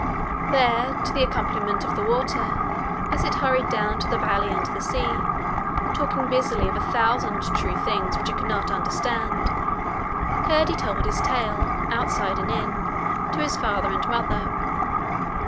There, to the accompaniment of the water, as it hurried down to the valley and the sea, talking busily of a thousand true things which it could not understand, Curdie told his tale, outside and in, to his father and mother.